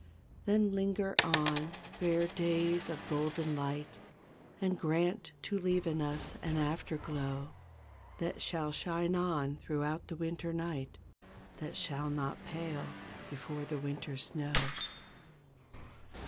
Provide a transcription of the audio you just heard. Then linger on, fair days of golden light. And grant to leave in us an after glow, That shall shine on throughout the winter night. That shall not pale before the winter snow.